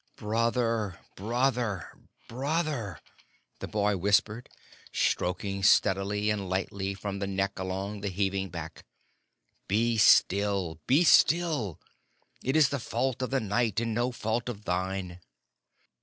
"Brother Brother Brother!" the boy whispered, stroking steadily and lightly from the neck along the heaving back: "Be still, be still! It is the fault of the night, and no fault of thine."